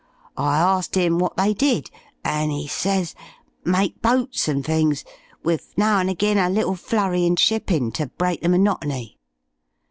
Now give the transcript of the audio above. I arsked 'im wot they did, an' 'e says, 'Make boats an' fings, with now an' agin a little flurry in shippin' ter break the monotony.'...